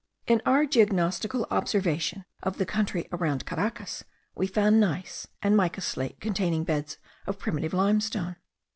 In our geognostical observation of the country round Caracas we found gneiss, and mica slate containing beds of primitive limestone.